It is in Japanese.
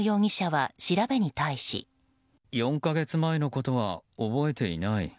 ４か月前のことは覚えていない。